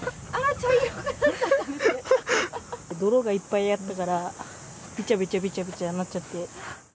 茶色くなっ泥がいっぱいあったから、びちゃびちゃびちゃびちゃなっちゃって。